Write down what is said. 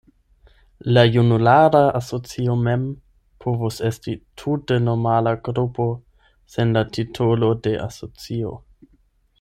La junulara asocio mem povus esti tute normala grupo, sen la titolo de asocio.